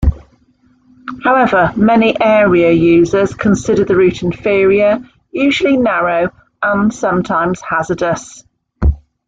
However, many area users consider the route inferior, usually narrow, and sometimes hazardous.